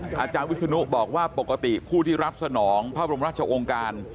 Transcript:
อาจารย์วิศนุบอกว่าปกติผู้ที่รับสนองพระบรมราชองค์การ